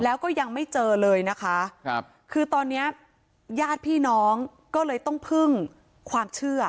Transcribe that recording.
แล้วก็ยังไม่เจอเลยนะคะครับคือตอนเนี้ยญาติพี่น้องก็เลยต้องพึ่งความเชื่อ